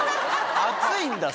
熱いんだ？